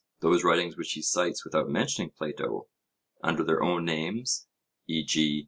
Those writings which he cites without mentioning Plato, under their own names, e.g.